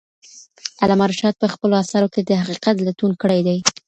علامه رشاد په خپلو اثارو کې د حقیقت لټون کړی دی.